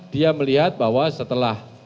dia melihat bahwa setelah